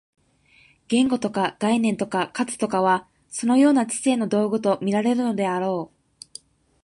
言語とか概念とか数とかは、そのような知性の道具と見られるであろう。